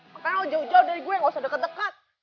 makanya lo jauh jauh dari gue gak usah deket deket